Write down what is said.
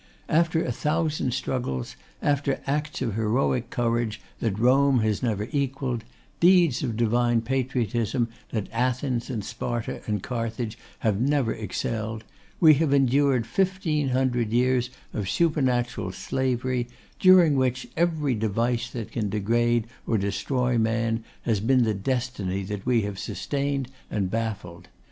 After a thousand struggles; after acts of heroic courage that Rome has never equalled; deeds of divine patriotism that Athens, and Sparta, and Carthage have never excelled; we have endured fifteen hundred years of supernatural slavery, during which, every device that can degrade or destroy man has been the destiny that we have sustained and baffled.